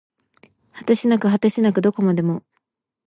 果てしなく果てしなくどこまでも